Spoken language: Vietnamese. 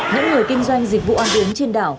những người kinh doanh dịch vụ ăn uống trên đảo